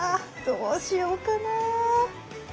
どうしようかな？